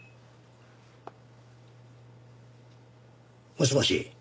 もしもし。